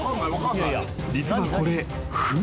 ［実はこれ船］